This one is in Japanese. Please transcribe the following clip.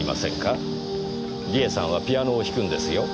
梨絵さんはピアノを弾くんですよ？